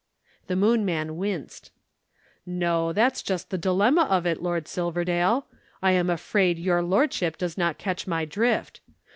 The Moon man winced. "No, that's just the dilemma of it, Lord Silverdale. I am afraid your lordship does not catch my drift.